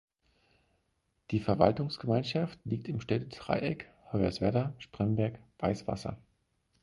Die Verwaltungsgemeinschaft liegt im Städtedreieck Hoyerswerda–Spremberg–Weißwasser.